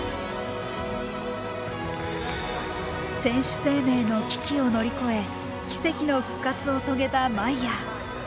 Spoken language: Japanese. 選手生命の危機を乗り越え奇跡の復活を遂げたマイヤー。